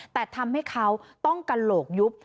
แต่ทำให้เขาต้องกระโหลกยุบ